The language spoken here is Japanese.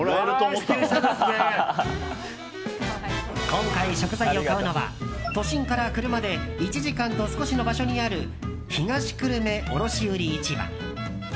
今回、食材を買うのは都心から車で１時間と少しの場所にある東久留米卸売市場。